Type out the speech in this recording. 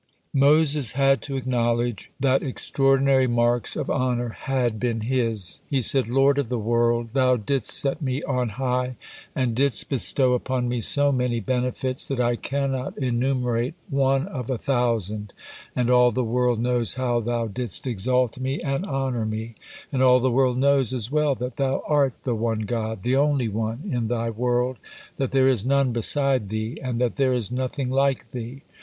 Moses had to acknowledge that extraordinary marks of honor had been his. He said: "Lord of the world! Thou didst set me on high, and didst bestow upon me so many benefits that I cannot enumerate one of a thousand, and all the world knows how Thou didst exalt me and honor me, and all the world knows as well that Thou art the One God, the only One in Thy world, that there is none beside Thee, and that there is nothing like Thee.